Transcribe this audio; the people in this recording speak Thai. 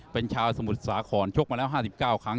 เป็นชาวสมุทรสาครชกมาแล้ว๕๙ครั้ง